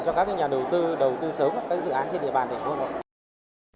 cho các nhà đầu tư đầu tư sớm các dự án trên địa bàn thành phố hà nội